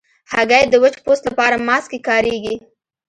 هګۍ د وچ پوست لپاره ماسک کې کارېږي.